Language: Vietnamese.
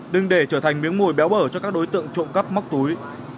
đừng để trở thành miếng mồi béo bở cho các đối tượng trộm cắp móc túi